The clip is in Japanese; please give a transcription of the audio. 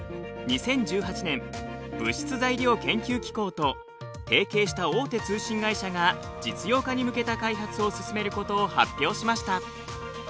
２０１８年物質・材料研究機構と提携した大手通信会社が実用化に向けた開発を進めることを発表しました。